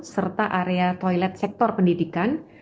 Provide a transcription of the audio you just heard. serta area toilet sektor pendidikan